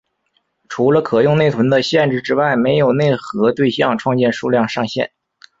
除了可用内存的限制之外没有内核对象创建数量上限。